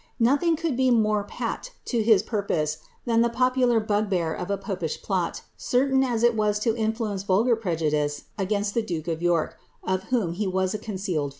Nothing could be more pat to his purpose lan the popular bugbear of a popish plot, certain as it was to influence nlgar prejudice against the duke of York, of whom he was a concealed «.